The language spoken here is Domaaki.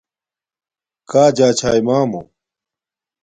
کݳ جݳ چھݳئی مݳمݸ؟